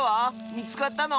みつかったの？